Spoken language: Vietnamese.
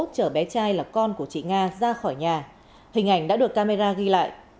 chở bé trai là con của chị nga ra khỏi nhà hình ảnh đã được camera ghi lại